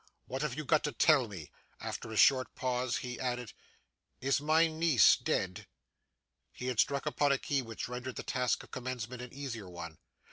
What have you got to tell me?' After a short pause, he added, 'Is my niece dead?' He had struck upon a key which rendered the task of commencement an easier one.